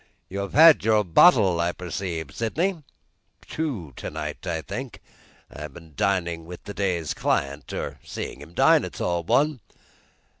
"You have had your bottle, I perceive, Sydney." "Two to night, I think. I have been dining with the day's client; or seeing him dine it's all one!"